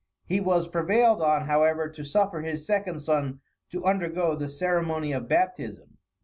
He was prevailed on, however, to suffer his second son to undergo the ceremony of baptism.